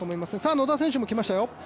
野田選手も来ましたよ。